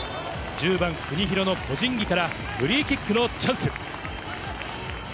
１０番国広の個人技からフリーキックのチャンス。